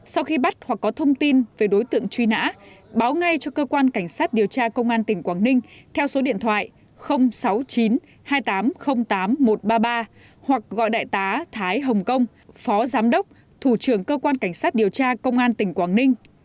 sau khi bắt hoặc có thông tin về đối tượng truy nã báo ngay cho cơ quan cảnh sát điều tra công an tỉnh quảng ninh theo số điện thoại sáu mươi chín hai nghìn tám trăm linh tám một trăm ba mươi ba hoặc gọi đại tá thái hồng kông phó giám đốc thủ trưởng cơ quan cảnh sát điều tra công an tỉnh quảng ninh